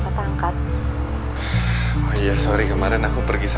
selamat ulang tahun ya